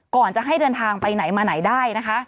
ก่อนจะให้เดินทางไปไหนมาไหนได้นะคะ